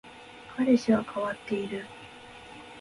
彼氏は変わっている